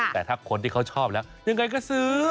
แต่ถ้าคนที่เขาชอบแล้วยังไงก็ซื้อ